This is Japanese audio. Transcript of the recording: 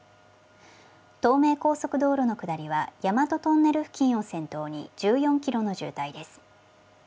東名高速道路の下りは、大和トンネル付近を先頭に、１４キロの渋滞です。